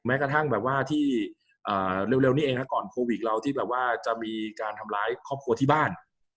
กระทั่งแบบว่าที่เร็วนี้เองก่อนโควิดเราที่แบบว่าจะมีการทำร้ายครอบครัวที่บ้าน